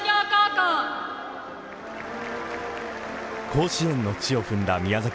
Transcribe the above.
甲子園の地を踏んだ宮崎